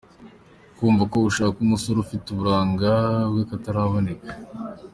Kumva ko ushaka umusore ufite uburanga bw’akataraboneka.